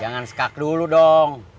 jangan skak dulu dong